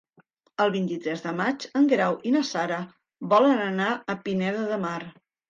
El vint-i-tres de maig en Guerau i na Sara volen anar a Pineda de Mar.